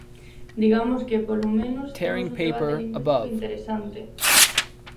Digamos que, polo menos, temos un debate lingüístico interesante.